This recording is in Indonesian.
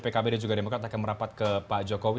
pkb dan juga demokrat akan merapat ke pak jokowi